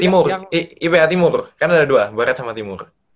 timur ipa timur kan ada dua barat sama timur